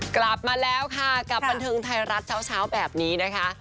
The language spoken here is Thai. กลับมาแล้วค่ะกับบันเทิงไทยรัฐเช้าแบบนี้นะคะ